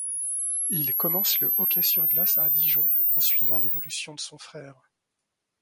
Il commence le hockey sur glace à Dijon, en suivant l'évolution de son frère.